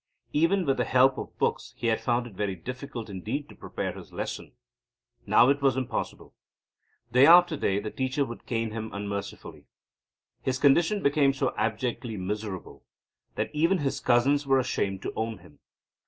Even with the help of books he had found it very difficult indeed to prepare his lesson. Now it was impossible. Day after day the teacher would cane him unmercifully. His condition became so abjectly miserable that even his cousins were ashamed to own him.